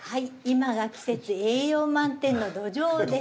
今が季節栄養満点のどじょうです。